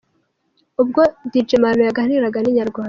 Ubwo Dj Marnaud yaganiraga na Inyarwanda.